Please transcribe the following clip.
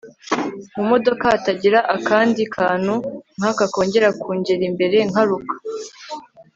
mumodoka hatagira akandi kantu nkaka kongera kungera imbere nkaruka